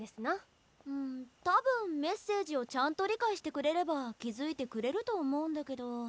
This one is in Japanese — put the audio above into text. ん多分メッセージをちゃんと理解してくれれば気付いてくれると思うんだけど。